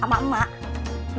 kamu mau ngapain